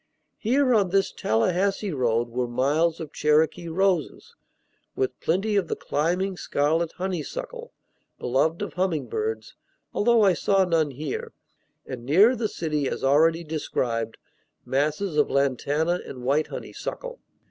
Here, on this Tallahassee road, were miles of Cherokee roses, with plenty of the climbing scarlet honeysuckle (beloved of humming birds, although I saw none here), and nearer the city, as already described, masses of lantana and white honeysuckle.